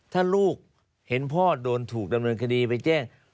ถ้าลูกเห็นพ่อโดนถูกดำเนินคดีไปแจ้ง